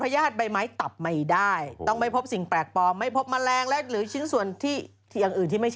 อุ้ยมาตรฐานเลิศนะ